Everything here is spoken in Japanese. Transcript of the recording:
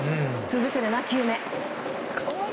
続く７球目。